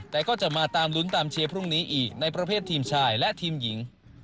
แต่ก็จะมาตามลุ้นตามเชียร์พรุ่งนี้อีกในประเภททีมชายและทีมหญิง